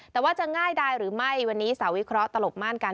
แต่ว่าจะง่ายดายหรือไม่วันนี้สาวิเคราะหลบม่านกัน